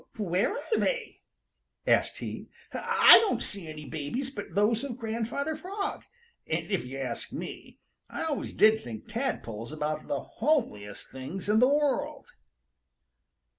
"Where are they?" asked he. "I don't see any babies but those of Grandfather Frog, and if you ask me, I always did think tadpoles about the homeliest things in th' world."